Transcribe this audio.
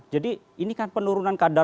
jadi ini kan penurunan kadar